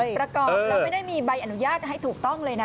ประกอบแล้วไม่ได้มีใบอนุญาตให้ถูกต้องเลยนะ